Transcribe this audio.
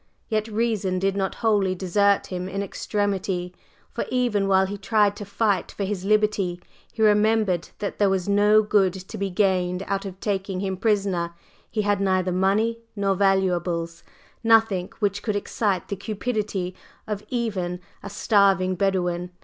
Yet reason did not wholly desert him in extremity, for even while he tried to fight for his liberty he remembered that there was no good to be gained out of taking him prisoner; he had neither money nor valuables nothing which could excite the cupidity of even a starving Bedouin.